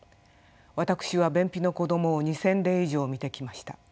私は便秘の子どもを２，０００例以上診てきました。